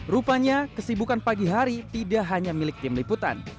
rupanya kesibukan pagi hari tidak hanya milik tim liputan